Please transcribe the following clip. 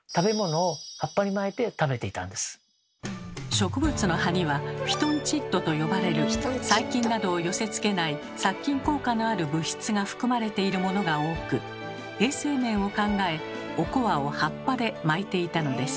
植物の葉には「フィトンチッド」と呼ばれる細菌などを寄せつけない殺菌効果のある物質が含まれているものが多く衛生面を考えおこわを葉っぱで巻いていたのです。